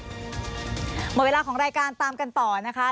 หมดเวลาของรายการตามกันต่อนะคะ